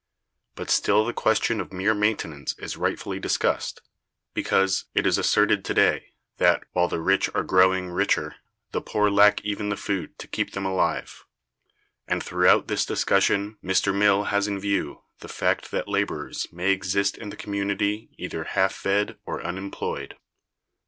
But still the question of mere maintenance is rightfully discussed, because it is asserted to day that, while the rich are growing richer, the poor lack even the food to keep them alive; and throughout this discussion Mr. Mill has in view the fact that laborers may exist in the community either "half fed or unemployed."